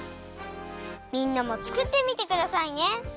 みんなもつくってみてくださいね！